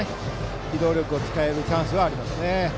機動力を使えるチャンスはありますね。